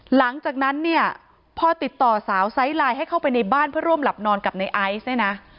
หลังจากนั้นเนี่ยพอติดต่อสาวไซส์ไลน์ให้เข้าไปในบ้านเพื่อร่วมหลับนอนกับในไอซ์เนี่ยนะ